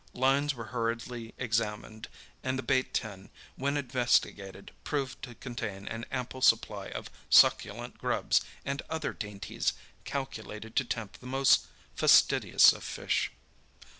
Lines were hurriedly examined, and the bait tin, when investigated, proved to contain an ample supply of succulent grubs and other dainties calculated to tempt the most fastidious of fish.